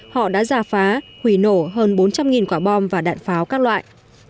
họ đã giả phá hủy nổ hơn bốn trăm linh quả bom và đạn pháo các loại